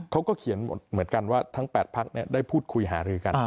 เขาก็เขียนเหมือนกันว่าทั้ง๘พักได้พูดคุยหารือกัน